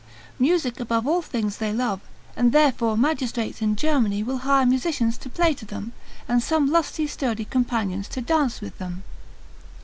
Music above all things they love, and therefore magistrates in Germany will hire musicians to play to them, and some lusty sturdy companions to dance with them.